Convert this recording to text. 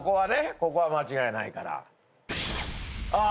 ここは間違いないからああ